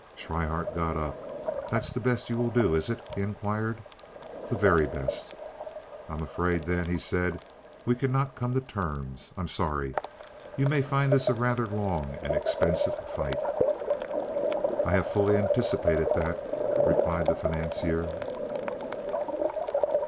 Schryhart got up. "That's the best you will do, is it?" he inquired. "The very best." "I'm afraid then," he said, "we can't come to terms. I'm sorry. You may find this a rather long and expensive fight." "I have fully anticipated that," replied the financier.